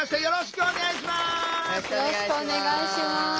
よろしくお願いします。